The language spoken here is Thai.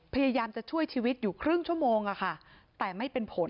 พยายามจะช่วยชีวิตอยู่ครึ่งชั่วโมงอะค่ะแต่ไม่เป็นผล